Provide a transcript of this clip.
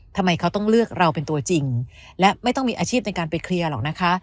ทำไมเขาต้องเลือกเราเป็นตัวจริงและไม่ต้องมีอาชีพในการไปเคลียร์หรอกนะคะ